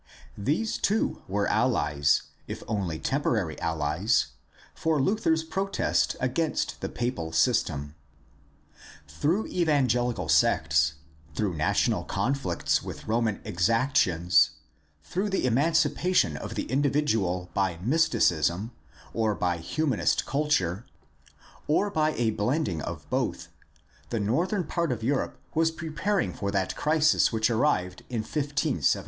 These too were allies, if only temporary allies, for Luther's protest against the papal system. Through evangelical sects, through national conflicts with Roman exactions, through the emancipation of the individual by mysticism or by Humanist culture or by a blending of both the northern part of Europe was preparing for that crisis which arrived in 15 17.